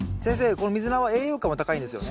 このミズナは栄養価も高いんですよね。